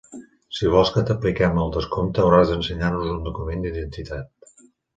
Si vols que t'apliquem el descompte, hauràs d'ensenyar-nos un document d'identitat.